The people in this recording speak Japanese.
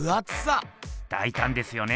大たんですよね！